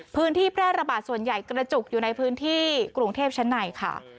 พื้นที่แพร่ระบาดส่วนใหญ่กระจุกอยู่ในพื้นที่กรุงเทพชั้นในค่ะ